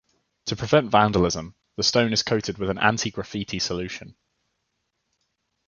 To prevent vandalism, the stone is coated with an anti-graffiti solution.